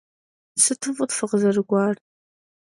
Sıtu f'ıt fıkhızerık'uar.